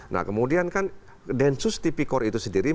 nah kemudian kan densus tipikor itu sendiri